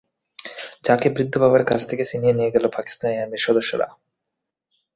যাকে বৃদ্ধ বাবার কাছ থেকে ছিনিয়ে নিয়ে গেল পাকিস্তানি আর্মির সদস্যরা।